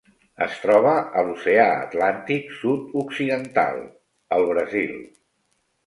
Es troba a l'Oceà Atlàntic sud-occidental: el Brasil.